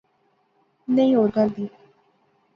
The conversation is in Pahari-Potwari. نئیں، ہور گل دی